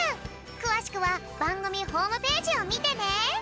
くわしくはばんぐみホームページをみてね。